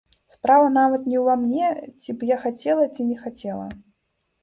Справа нават не ўва мне, ці б я хацела, ці не хацела.